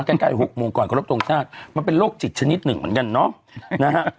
ใกล้๖โมงก่อนขอรบทรงชาติมันเป็นโรคจิตชนิดหนึ่งเหมือนกันเนาะนะฮะ